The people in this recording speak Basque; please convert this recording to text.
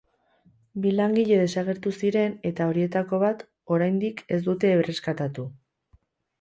Bi langile desagertu ziren, eta horietako bat oraindik ez dute erreskatatu.